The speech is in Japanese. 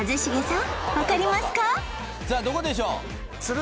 さあどこでしょう？